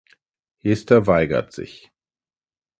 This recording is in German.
Hester weigert sich.